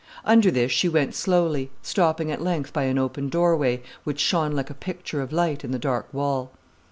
Under this she went slowly, stopping at length by an open doorway, which shone like a picture of light in the dark wall.